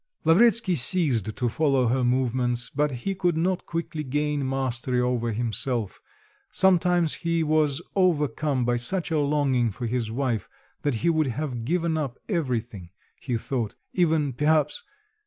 Lavretsky ceased to follow her movements; but he could not quickly gain mastery over himself. Sometimes he was overcome by such a longing for his wife that he would have given up everything, he thought, even, perhaps...